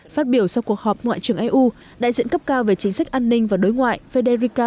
phát biểu sau cuộc họp ngoại trưởng eu đại diện cấp cao về chính sách an ninh và đối ngoại federica